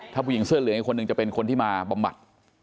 ถ้าผู้หญิงเสื้อเหลืองอีกคนนึงจะเป็นคนที่มาบำบัด